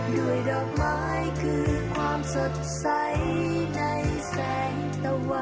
ด้วยดอกไม้คือความสดใสในแสงตะวัน